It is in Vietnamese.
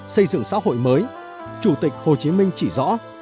xây dựng xã hội mới chủ tịch hồ chí minh chỉ rõ